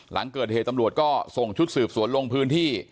หลังเกิดเหตุตำรวจก็ส่งชุดสืบสวนลงพื้นที่